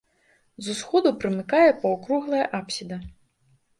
З усходу прымыкае паўкруглая апсіда.